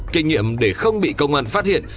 kinh nghiệm để không bị công an phát hiện